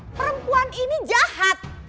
perempuan ini jahat